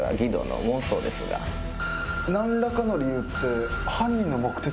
何らかの理由って。